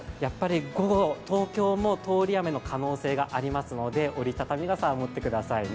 午後、東京も通り雨の可能性がありますので、折り畳み傘を持ってくださいね。